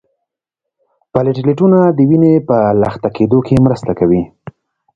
پلیټلیټونه د وینې په لخته کیدو کې مرسته کوي